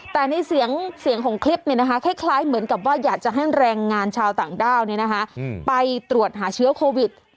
แต่ในเสียงของคลิปคล้ายเหมือนกับว่าอยากจะให้แรงงานชาวต่างด้าวไปตรวจหาเชื้อโควิด